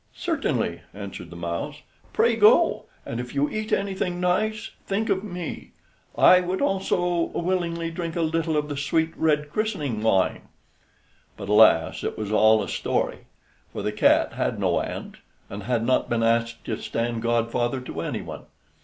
"Certainly," answered the mouse; "pray, go; and if you eat anything nice, think of me; I would also willingly drink a little of the sweet red christening wine." But, alas! it was all a story; for the cat had no aunt, and had not been asked to stand godfather to any one.